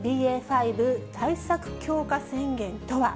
ＢＡ．５対策強化宣言とは？